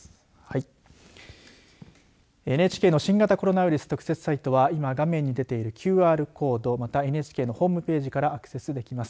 ＮＨＫの新型コロナウイルス特設サイトは今、画面に出ているＱＲコードまたは、ＮＨＫのホームページからアクセスできます。